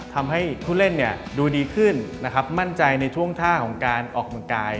ทำให้ผู้เล่นดูดีขึ้นนะครับมั่นใจในท่วงท่าของการออกกำลังกาย